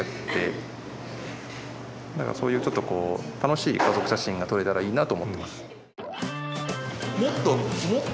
だからそういうちょっとこう楽しい家族写真が撮れたらいいなと思ってます。